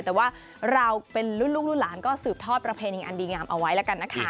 แต่ว่าเราเป็นลูกรูปหลานก็สืบทอดประเพณีย์นี้อันดีงามเอาไว้ละกันนะคะ